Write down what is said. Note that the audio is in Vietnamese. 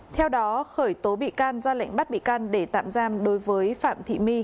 theo đó khởi tố bị can ra lệnh bắt bị can để tạm giam đối với phạm thị my